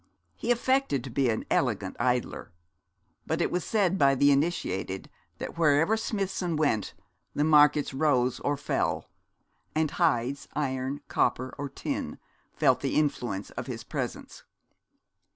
He affected to be an elegant idler; but it was said by the initiated that wherever Smithson went the markets rose or fell, and hides, iron, copper, or tin, felt the influence of his presence.